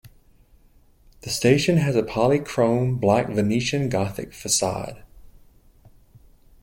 The station has a polychrome brick Venetian Gothic facade.